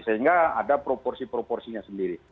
sehingga ada proporsi proporsinya sendiri